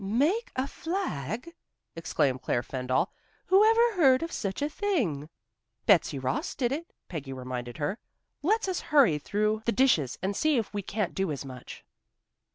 "Make a flag!" exclaimed Claire Fendall. "Who ever heard of such a thing?" "Betsy Ross did it," Peggy reminded her. "Let's us hurry through the dishes and see if we can't do as much."